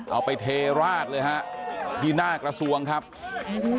เอาไปเทราดเลยฮะที่หน้ากระทรวงศาสตร์ครับ